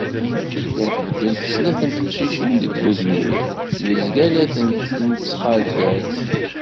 Llant beddent snat n teqcicin deg ugnir, nezga la tent-nettxatal